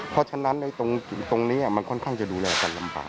เพราะฉะนั้นตรงนี้มันค่อนข้างจะดูแลกันลำบาก